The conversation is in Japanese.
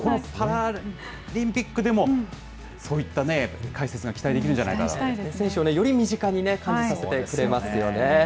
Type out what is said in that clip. このパラリンピックでもそういった解説が期待できるんじゃないか選手をより身近に感じさせてくれますよね。